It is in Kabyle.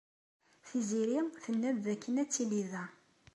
Tiziri tenna-d dakken ad tili da.